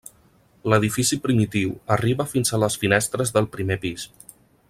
L'edifici primitiu arriba fins a les finestres del primer pis.